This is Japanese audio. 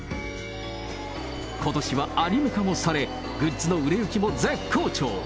ことしはアニメ化もされ、グッズの売れ行きも絶好調。